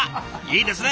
いいですね